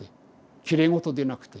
きれい事でなくて。